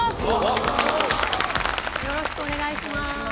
よろしくお願いします。